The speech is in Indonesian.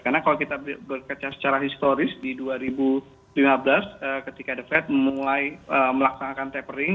karena kalau kita bekerja secara historis di dua ribu lima belas ketika the fed mulai melaksanakan tapering